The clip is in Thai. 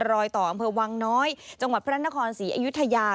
รอยต่ออำเภอวังน้อยจังหวัดพระนครศรีอยุธยา